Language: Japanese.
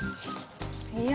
いや。